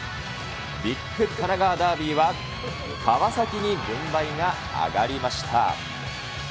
ビッグ神奈川ダービーは、川崎に軍配が上がりました。